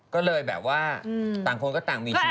ก็เลยแบบว่าต่างคนก็ต่างมีชีวิต